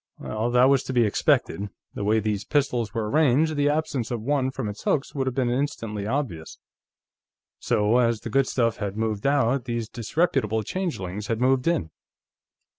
Well, that was to be expected. The way these pistols were arranged, the absence of one from its hooks would have been instantly obvious. So, as the good stuff had moved out, these disreputable changelings had moved in.